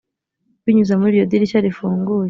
binyuze muri iryo dirishya rifunguye.